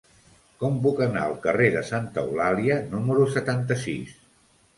Com puc anar al carrer de Santa Eulàlia número setanta-sis?